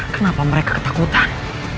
kenapa mereka ketakutan